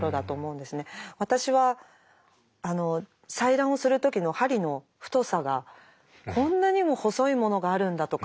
私は採卵をする時の針の太さがこんなにも細いものがあるんだとか